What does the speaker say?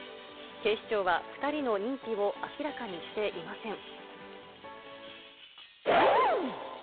警視庁は、２人の認否を明らかにしていません。